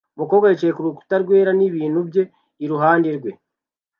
Umukobwa yicaye kurukuta rwera nibintu bye iruhande rwe